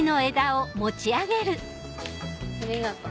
ありがとう。